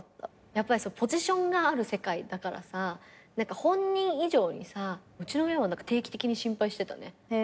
やっぱりポジションがある世界だからさ何か本人以上にさうちの親は定期的に心配してたね。